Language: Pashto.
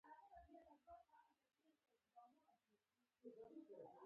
آیا د کاناډا بازو په فضا کې مشهور نه دی؟